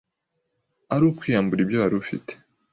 ariukwiyambura ibyo wari ufite,